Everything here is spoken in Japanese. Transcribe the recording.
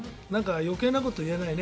余計なこと言えないね。